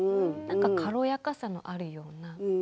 軽やかさがあるような。